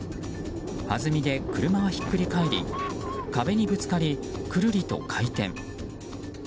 はずみで車はひっくり返り壁にぶつかり、くるりと回転。